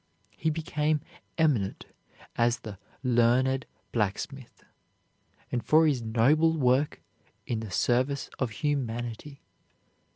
He became eminent as the "Learned Blacksmith," and for his noble work in the service of humanity.